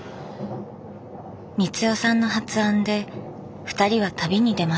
光代さんの発案でふたりは旅に出ました。